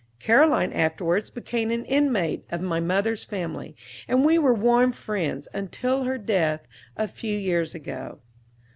Caroline afterwards became an inmate of my mother's family, and we were warm friends until her death a few years ago.